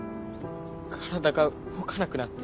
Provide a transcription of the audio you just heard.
体が動かなくなって。